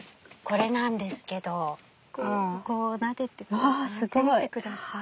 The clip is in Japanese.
これなんですけどこうなでてみて下さい。